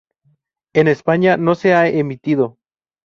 En España no se ha emitido.